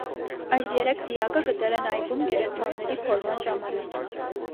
Այդ երեք դիակը գտել են այգում գերեզմանների փորման ժամանակ։